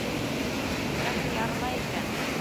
Йөрәгем ярыла икән!